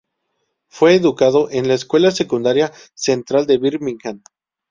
Fue educado en la Escuela Secundaria Central de Birmingham.